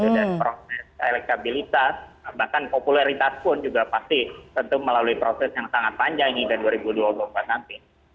dan proses elektabilitas bahkan popularitas pun juga pasti tentu melalui proses yang sangat panjang ini ke dua ribu dua puluh empat nanti